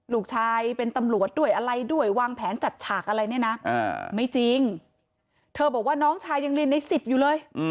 ลูกชายเป็นตำรวจด้วยอะไรด้วยวางแผนจัดฉากอะไรเนี่ยนะไม่จริงเธอบอกว่าน้องชายยังเรียนใน๑๐อยู่เลย